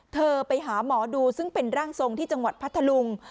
เธอไปหาหมอดูซึ่งเป็นร่างทรงที่จังหวัดพัทธลุง